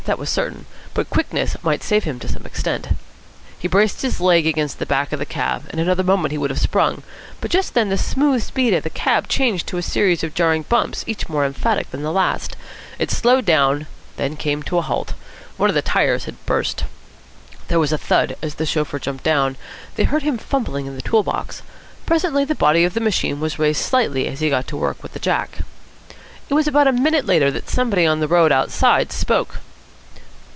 That was certain. But quickness might save him to some extent. He braced his leg against the back of the cab. In another moment he would have sprung; but just then the smooth speed of the cab changed to a series of jarring bumps, each more emphatic than the last. It slowed down, then came to a halt. One of the tyres had burst. There was a thud, as the chauffeur jumped down. They heard him fumbling in the tool box. Presently the body of the machine was raised slightly as he got to work with the jack. It was about a minute later that somebody in the road outside spoke.